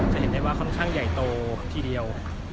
จะเห็นได้ว่าค่อนข้างใหญ่โตทีเดียว